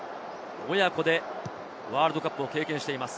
親子でワールドカップを経験しています。